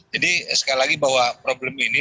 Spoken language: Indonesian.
jadi sekali lagi bahwa problem ini